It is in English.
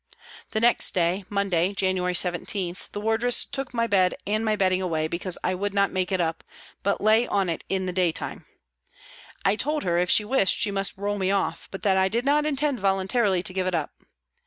The next day, Monday (January 17), the wardress took my bed and bedding away because I would not make it up, but lay on it in the day time. I told her if she wished she must roll me off, but that I did not intend voluntarily to give it up.